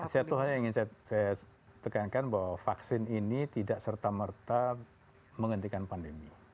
saya tekankan bahwa vaksin ini tidak serta merta menghentikan pandemi